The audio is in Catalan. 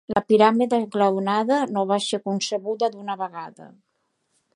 La piràmide esglaonada no va ser concebuda d'una vegada.